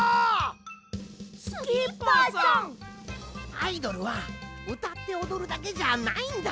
アイドルはうたっておどるだけじゃないんだ。